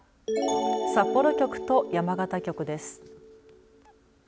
札幌局と山形局です。